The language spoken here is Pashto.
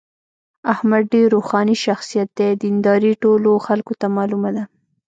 احمد ډېر روښاني شخصیت دی. دینداري ټولو خلکو ته معلومه ده.